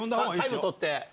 タイム取って。